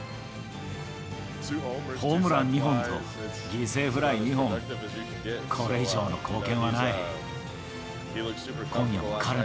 ホームラン２本と犠牲フライ２本、これ以上の貢献はない。